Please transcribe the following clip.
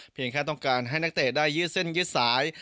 เพียงแค่ต้องการให้เจ้นและเจ๊ทได้ยืสนยึดสาย